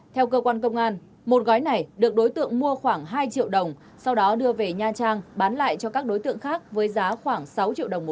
theo cơ quan công an một gói này được đối tượng mua khoảng hai triệu đồng sau đó đưa về nha trang bán lại cho các đối tượng khác với giá khoảng sáu triệu đồng một kg